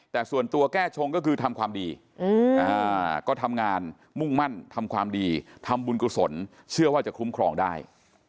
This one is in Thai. แต่ส่วนตัวแก้ชงก็คือทำความดีก็ทำงานมุ่งมั่นทำความดีทำบุญกุศลเชื่อว่าจะคุ้มครองได้